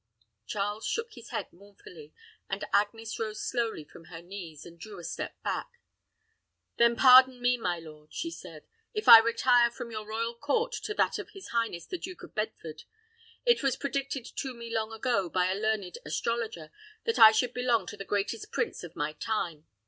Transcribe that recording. Charles shook his head mournfully; and Agnes rose slowly from her knees, and drew a step back. "Then pardon me, my lord," she said, "if I retire from your royal court to that of his highness the Duke of Bedford. It was predicted to me long ago, by a learned astrologer, that I should belong to the greatest prince of my time.